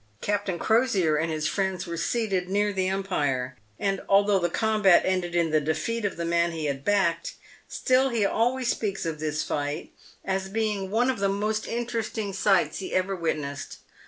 Captain Crosier and his friends were seated near the umpire, and although the combat ended in the defeat of the man he had backed, still he always speaks of this fight as being one of the most interesting sights he ever witnessed.